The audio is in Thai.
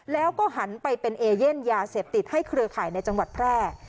แล้วก็หันไปเป็นเอเย่นยาเสพติดให้เครือข่ายในจังหวัดแพร่